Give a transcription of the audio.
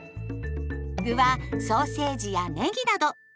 具はソーセージやねぎなど。